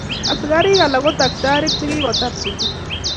Askarik alak kotaktatirik chokiko tar sukul.